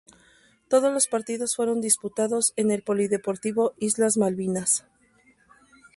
Todos los partidos fueron disputados en el Polideportivo Islas Malvinas.